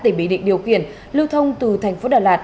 để bí định điều kiện lưu thông từ thành phố đà lạt